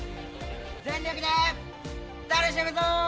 全力で楽しむぞ！